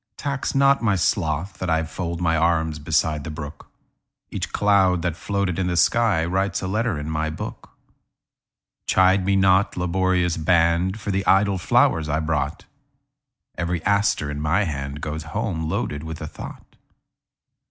Tax not my sloth that IFold my arms beside the brook; Each cloud that floated in the skyWrites a letter in my book. Chide me not, laborious band, For the idle flowers I brought; Every aster in my handGoes home loaded with a thought.